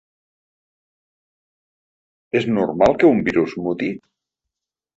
És normal que un virus muti?